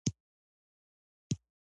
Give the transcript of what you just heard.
سپین سرې ښځه پر مسلې ولاړه ده .